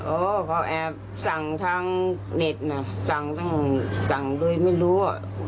โอ้เขาแอบสั่งทางเน็ตน่ะสั่งด้วยไม่รู้อ่ะ